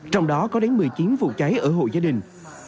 trong đó có đến một mươi chín vụ cháy ở hộ gia đình